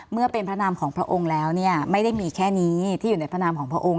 เมื่อเป็นพระนามของพระองค์แล้วเนี่ยไม่ได้มีแค่นี้ที่อยู่ในพระนามของพระองค์